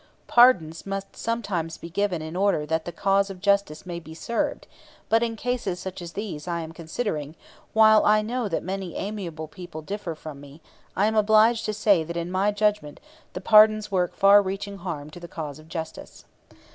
Pardons must sometimes be given in order that the cause of justice may be served; but in cases such as these I am considering, while I know that many amiable people differ from me, I am obliged to say that in my judgment the pardons work far reaching harm to the cause of justice.